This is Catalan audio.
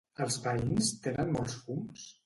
Els veïns tenen molts fums?